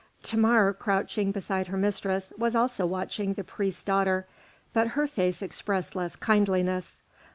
Thamar, crouching beside her mistress, was also watching the priest's daughter, but her face expressed less kindliness.